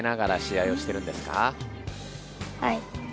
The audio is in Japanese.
はい。